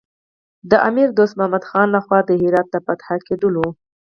د امیر دوست محمد خان له خوا د هرات د فتح کېدلو.